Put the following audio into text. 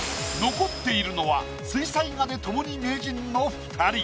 残っているのは水彩画で共に名人の２人。